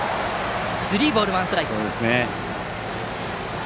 スリーボール、ワンストライク。